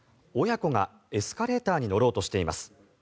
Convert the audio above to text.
親子がエスカレーターに乗ろうとしています。